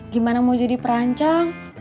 gimana mau jadi perancang